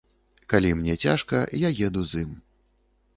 Калі мне цяжка, я еду з ім.